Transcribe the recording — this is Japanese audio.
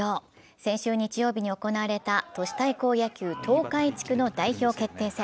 先週日曜日に行われた都市対抗野球東海地区の代表決定戦。